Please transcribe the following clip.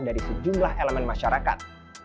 dari sejumlah elemen masyarakat